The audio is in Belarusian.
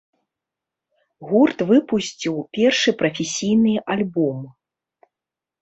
Гурт выпусціў першы прафесійны альбом.